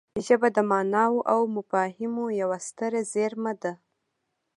ژبه د ماناوو او مفاهیمو یوه ستره زېرمه ده